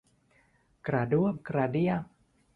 กระด้วมกระเดี้ยม